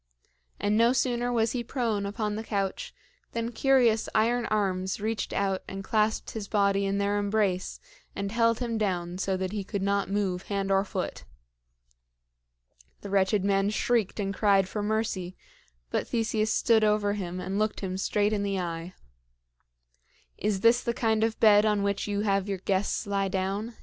And no sooner was he prone upon the couch than curious iron arms reached out and clasped his body in their embrace and held him down so that he could not move hand or foot. The wretched man shrieked and cried for mercy; but Theseus stood over him and looked him straight in the eye. "Is this the kind of bed on which you have your guests lie down?"